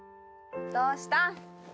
どうしたん？